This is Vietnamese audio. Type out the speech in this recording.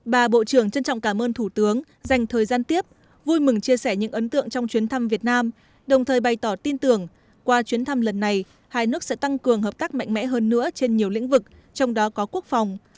bà bộ trưởng trân trọng cảm ơn thủ tướng dành thời gian tiếp vui mừng chia sẻ những ấn tượng trong chuyến thăm việt nam đồng thời bày tỏ tin tưởng qua chuyến thăm lần này hai nước sẽ tăng cường hợp tác mạnh mẽ hơn nữa trên nhiều lĩnh vực trong đó có quốc phòng